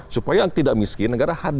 supaya tidak miskin